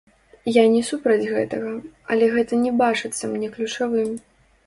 Я не супраць гэтага, але гэта не бачыцца мне ключавым.